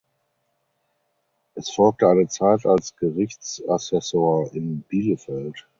Es folgte eine Zeit als Gerichtsassessor in Bielefeld.